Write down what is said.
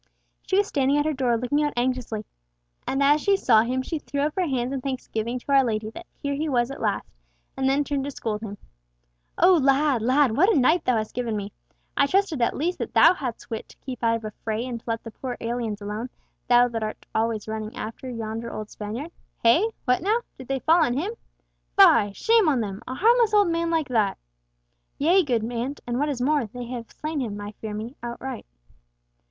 She was standing at her door looking out anxiously, and as she saw him she threw up her hands in thanksgiving to our Lady that here he was at last, and then turned to scold him. "O lad, lad, what a night thou hast given me! I trusted at least that thou hadst wit to keep out of a fray and to let the poor aliens alone, thou that art always running after yonder old Spaniard. Hey! what now? Did they fall on him! Fie! Shame on them!—a harmless old man like that." "Yea, good aunt, and what is more, they have slain him, I fear me, outright."